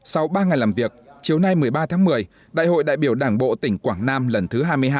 sau ba ngày làm việc chiều nay một mươi ba tháng một mươi đại hội đại biểu đảng bộ tỉnh quảng nam lần thứ hai mươi hai